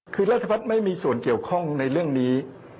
คือราชพัฒน์ไม่มีส่วนเกี่ยวข้องในเรื่องนี้